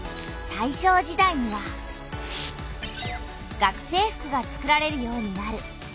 大正時代には学生服がつくられるようになる。